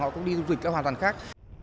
họ cũng đi du lịch cái hoàn toàn khác